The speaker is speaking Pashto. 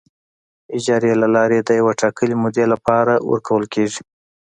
اجارې له لارې د یوې ټاکلې مودې لپاره ورکول کیږي.